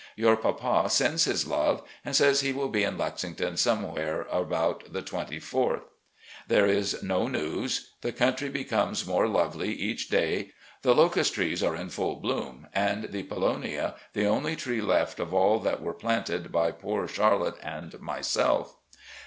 Your papa sends his love, and says he will be in L^ington somewhere about the 24th. ... 4 o6 recollections OF GENERAL LEE There is no news. The country becomes more lovely each day. The locust trees are in full bloom, and the polonia, the only tree left of all that were planted by poor Char lotte and myself.